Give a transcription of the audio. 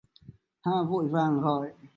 Hà vội vàng gọi